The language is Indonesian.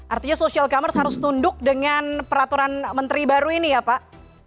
artinya social commerce harus tunduk dengan peraturan menteri baru ini ya pak